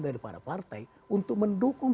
dari para partai untuk mendukung